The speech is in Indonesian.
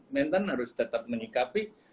mentan harus tetap mengikapi